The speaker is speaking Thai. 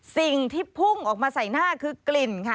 สิ่งที่พุ่งออกมาใส่หน้าคือกลิ่นค่ะ